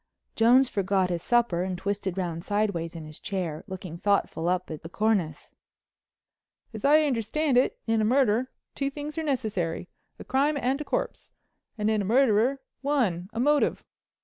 Jones forgot his supper and twisted round sideways in his chair, looking thoughtful up at the cornice: "As I understand it, in a murder two things are necessary—a crime and a corpse; and in a murderer one, a motive.